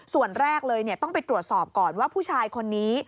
ส่วนแรกเลยต้องไปตรวจสอบก่อนว่าผู้ชายคนนี้